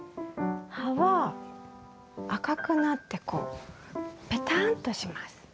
葉は赤くなってこうぺたんとします。